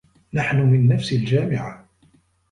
نحن من نفس الجامعة.